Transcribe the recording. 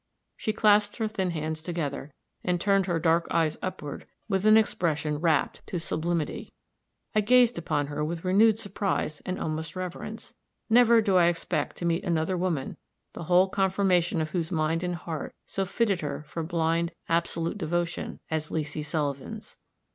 She clasped her thin hands together, and turned her dark eyes upward with an expression rapt to sublimity. I gazed upon her with renewed surprise and almost reverence. Never do I expect to meet another woman, the whole conformation of whose mind and heart so fitted her for blind, absolute devotion as Leesy Sullivan's.